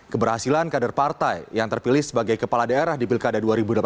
keberhasilan kader partai yang terpilih sebagai kepala daerah di pilkada dua ribu delapan belas